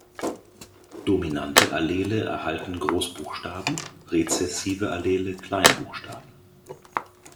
Dominante Allele erhalten Großbuchstaben, rezessive Allele Kleinbuchstaben.